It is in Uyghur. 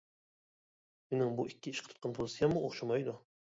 مېنىڭ بۇ ئىككى ئىشقا تۇتقان پوزىتسىيەممۇ ئوخشىمايدۇ.